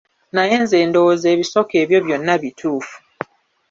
Naye nze ndowooza ebisoko ebyo byonna bituufu.